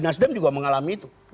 nasdem juga mengalami itu